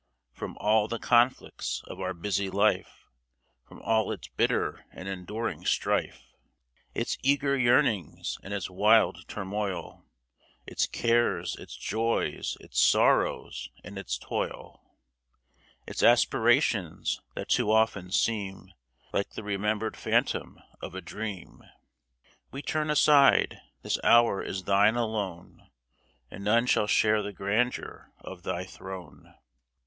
From all the conflicts of our busy life, From all its bitter and enduring strife, Its eager yearnings and its wild turmoil, Its cares, its joys, its sorrows and its toil. Its aspirations, that too often seem Like the remembered phantoms of a dream, We turn aside. This hour is thine alone, And none shall share the grandeur of thy throne.